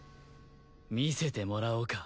見せてもらおうか。